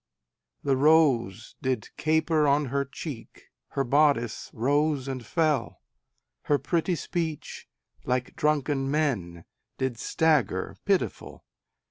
The rose did caper on her cheek, Her bodice rose and fell, Her pretty speech, like drunken men, Did stagger pitiful.